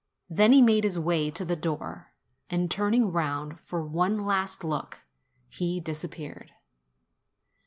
Then he made his way to the door, and turning round for one last look, he disappeared.